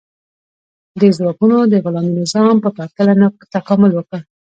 دې ځواکونو د غلامي نظام په پرتله تکامل وکړ.